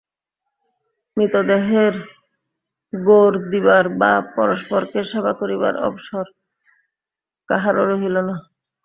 মৃতদেহের গোর দিবার বা পরস্পরকে সেবা করিবার অবসর কাহারও রহিল না।